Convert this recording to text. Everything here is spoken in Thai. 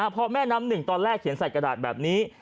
พอแม่น้ำหนึ่งตอนแรกเขียนใส่กระดาษแบบนี้